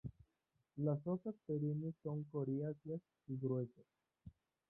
Las hojas perennes son coriáceas y gruesas.